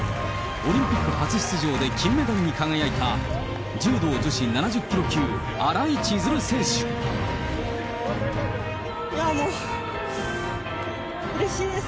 オリンピック初出場で金メダルに輝いた、柔道女子７０キロ級、いや、もううれしいです。